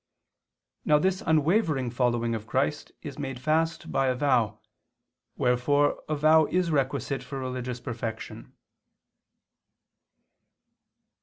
Now this unwavering following of Christ is made fast by a vow: wherefore a vow is requisite for religious perfection.